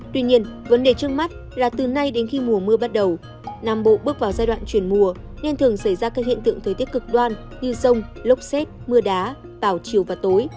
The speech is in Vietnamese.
tuy nhiên vấn đề trước mắt là từ nay đến khi mùa mưa bắt đầu nam bộ bước vào giai đoạn chuyển mùa nên thường xảy ra các hiện tượng thời tiết cực đoan như rông lốc xét mưa đá vào chiều và tối